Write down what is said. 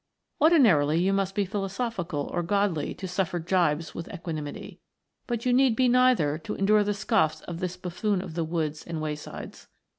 Ordinarily you must be philosophical or godly to suffer gibes with equanimity, but you need be neither to endure the scoffs of this buffoon of the woods and waysides.